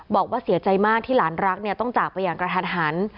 บอกว่าเสียใจมากที่หลานรักเนี่ยต้องจากไปอย่างกระทันหัน